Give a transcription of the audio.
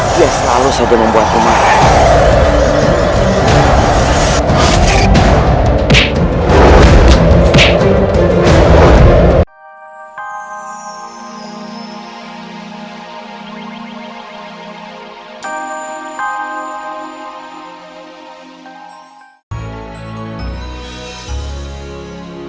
dia selalu saja membuatku marah